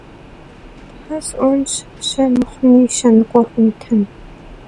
Тхьэ сӀуэнщ, щэ мыхъуми, щэ ныкъуэ хъунтэм!